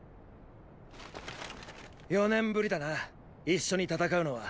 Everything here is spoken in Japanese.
四年ぶりだな一緒に戦うのは。